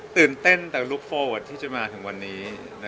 ตื่นเต้นแต่แค่ลูกโฟว์วอไวท์ที่จะมาถึงวันนี้